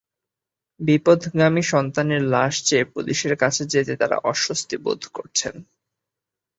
বিপথগামী সন্তানের লাশ চেয়ে পুলিশের কাছে যেতে তাঁরা অস্বস্তি বোধ করছেন।